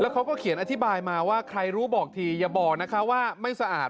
เขาก็เขียนอธิบายมาว่าใครรู้บอกทีอย่าบอกนะคะว่าไม่สะอาด